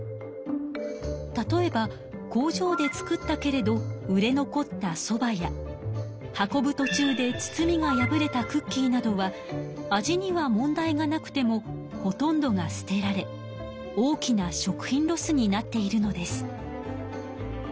例えば工場で作ったけれど売れ残ったソバや運ぶとちゅうで包みが破れたクッキーなどは味には問題がなくてもほとんどが捨てられ大きな食品ロスになっているのです。